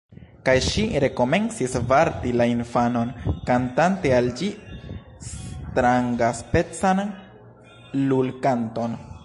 Kaj ŝi rekomencis varti la infanon, kantante al ĝi strangaspecan lulkanton